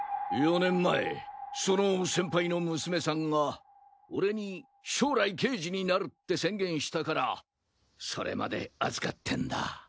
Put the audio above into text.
４年前その先輩の娘さんが俺に「将来刑事になる」って宣言したからそれまで預かってんだ。